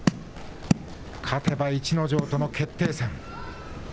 勝てば逸ノ城との決定戦。